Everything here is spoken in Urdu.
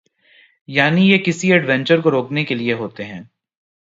یعنی یہ کسی ایڈونچر کو روکنے کے لئے ہوتے ہیں۔